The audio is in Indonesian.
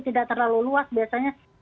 tidak terlalu luas biasanya